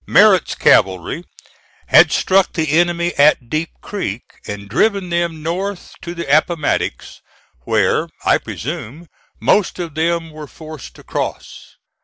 Merritt's cavalry had struck the enemy at Deep Creek, and driven them north to the Appomattox, where, I presume, most of them were forced to cross.